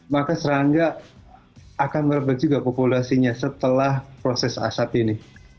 maka serangga akan merepet juga populasinya setelah proses asap ini